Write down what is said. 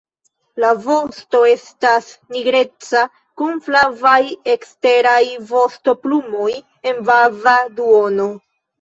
La vosto estas nigreca kun flavaj eksteraj vostoplumoj en baza duono.